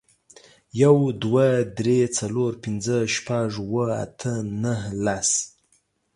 يو، دوه، درې، څلور، پينځه، شپږ، اووه، اته، نهه، لس